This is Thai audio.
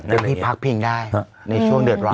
ที่พักพิงได้ในช่วงเดือดร้อนแบบนี้